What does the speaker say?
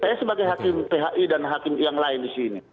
saya sebagai hakim phi dan hakim yang lain di sini